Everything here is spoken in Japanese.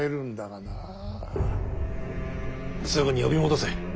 すぐに呼び戻せ。